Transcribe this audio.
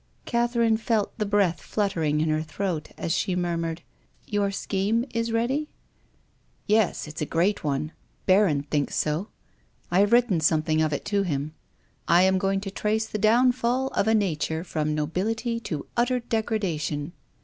Catherine felt tlie breath fluttering in her throat as she murmured, "Your scheme is ready ?"" Yes. It's a great one. Berrand thinks so. I50 TONGUES OP^ CONSCIENCE. I have written sometliing of it to him. I am going to trace the downfall of a nature from nobility to utter degradation."